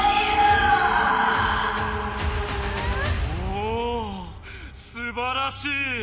おおすばらしい！